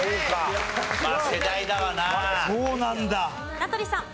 名取さん。